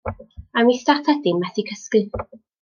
Mae Mistar Tedi'n methu cysgu.